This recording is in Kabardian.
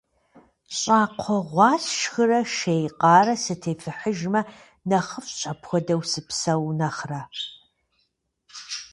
Щӏакхъуэ гъуа сшхырэ шей къарэ сытефыхьыжмэ нэхъыфӏщ, апхуэдэу сыпсэу нэхърэ.